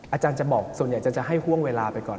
อาจารย์จะบอกส่วนใหญ่จะให้ห่วงเวลาไปก่อน